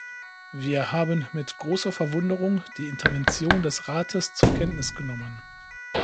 Wir haben mit großer Verwunderung die Intervention des Rates zur Kenntnis genommen.